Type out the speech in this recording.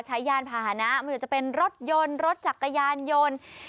ยานพาหนะไม่ว่าจะเป็นรถยนต์รถจักรยานยนต์